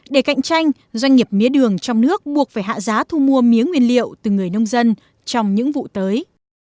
để cạnh tranh doanh nghiệp mía đường trong nước buộc phải hạ giá thu mua mía nguyên liệu từ người nông dân trong những vụ tới